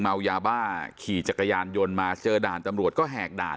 เมายาบ้าขี่จักรยานยนต์มาเจอด่านตำรวจก็แหกด่าน